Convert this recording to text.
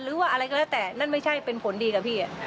หรือว่าอะไรก็แล้วแต่นั่นไม่ใช่เป็นผลดีกับพี่